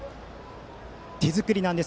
手作りなんです。